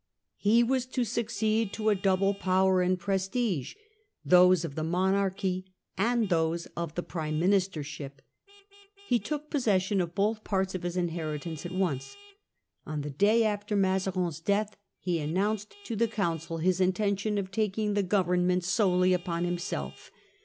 He was to succeed to a double power and prestige, those of the monarchy and those of the prime ministership. He took possession of both parts of his inheritance at once. On the day after Mazarin's death he announced to the council his intention of taking the government solely upon himself.